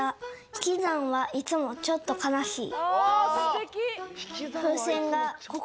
「ひきざんはいつもちょっとかなしい」。